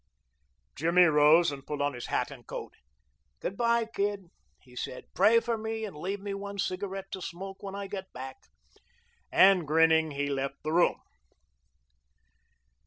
Jimmy arose and put on his hat and coat. "Good by, Kid," he said. "Pray for me, and leave me one cigarette to smoke when I get back," and, grinning, he left the room.